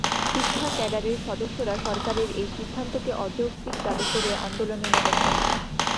শিক্ষা ক্যাডারের সদস্যরা সরকারের এই সিদ্ধান্তকে অযৌক্তিক দাবি করে আন্দোলনে নেমেছেন।